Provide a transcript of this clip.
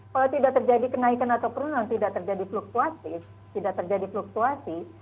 kalau tidak terjadi kenaikan atau penurunan tidak terjadi fluktuatif tidak terjadi fluktuasi